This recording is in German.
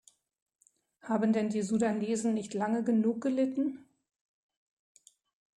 Haben denn die Sudanesen nicht lange genug gelitten?